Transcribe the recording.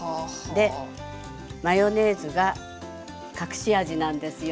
でマヨネーズが隠し味なんですよ。